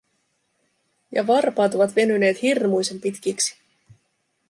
Ja varpaat ovat venyneet hirmuisen pitkiksi.